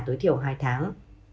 tối thiểu hai tháng